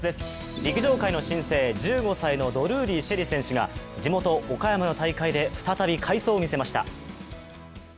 陸上界の新星、１５歳のドルーリー朱瑛里選手が地元・岡山の大会で再び快走を見せました。